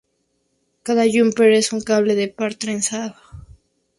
Cada "jumper" es un cable de par trenzado.